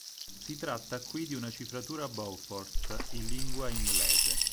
Si tratta qui di una cifratura Beaufort, in lingua inglese.